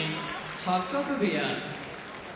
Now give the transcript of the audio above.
八角部屋